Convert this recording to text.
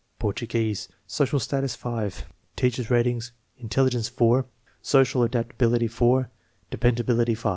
Portuguese, social status 5. Teach er's ratings: intelligence 4, social adaptability 4, dependa bility 5.